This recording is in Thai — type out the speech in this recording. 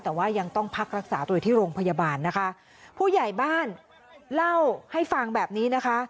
แต่ว่ายังต้องพักรักษาตัวอยู่ที่โรงพยาบาลนะคะผู้ใหญ่บ้านเล่าให้ฟังแบบนี้นะคะ